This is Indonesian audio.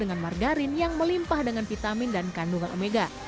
memiliki kekuasaan yang melimpah dengan vitamin dan kandungan omega